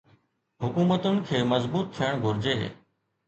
حڪومتن کي مضبوط ٿيڻ گهرجي.